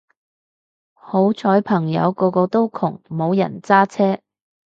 好彩朋友個個都窮冇人揸車